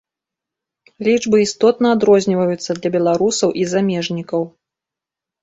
Лічбы істотна адрозніваюцца для беларусаў і замежнікаў.